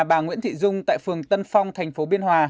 bà nguyễn thị dung tại phường tân phong tp biên hòa